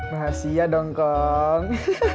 rahasia dong kong